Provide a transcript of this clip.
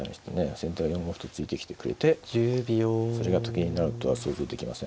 先手が４五歩と突いてきてくれてそれがと金になるとは想像できません。